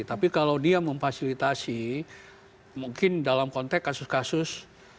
tapi kalau dia memfasilitasi mungkin dalam konteks kasus kasus